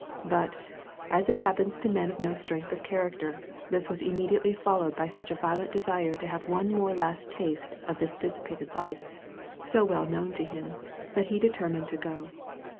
But, as it happens to men of no strength of character, this was immediately followed by such a violent desire to have one more last taste of this dissipated life, so well known to him, that he determined to go.